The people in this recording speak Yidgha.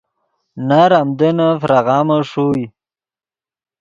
نر آمدنّے فراغامے ݰوئے